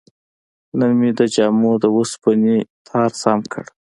نن مې د جامو د وسپنې تار سم کړ.